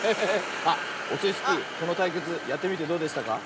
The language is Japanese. あっオスイスキーこのたいけつやってみてどうでしたか？